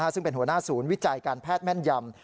ซึ่งเป็นหัวหน้าศูนย์วิจัยการแพทย์แม่นยำ